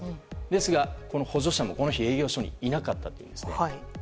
ですが、この補助者もこの日、営業所にいなかったというんです。